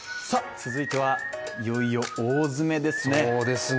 続いてはいよいよ大詰めですね